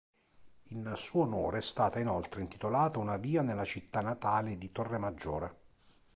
In suo onore è stata inoltre intitolata una via nella città natale di Torremaggiore.